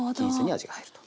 味が入ると。